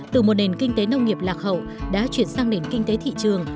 từ một nền kinh tế nông nghiệp lạc hậu đã chuyển sang nền kinh tế thị trường